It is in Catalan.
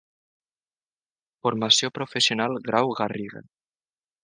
Formació Professional Grau Garriga.